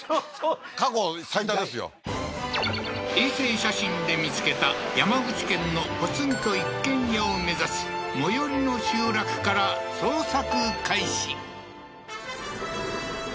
過去最多ですよ衛星写真で見つけた山口県のポツンと一軒家を目指し最寄りの集落から捜索開始